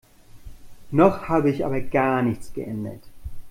Noch habe ich aber gar nichts geändert.